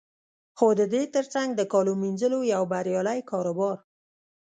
خو د دې تر څنګ د کالو مینځلو یو بریالی کاروبار